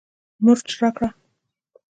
مرچ راکړه